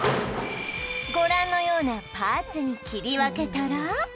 ご覧のようなパーツに切り分けたら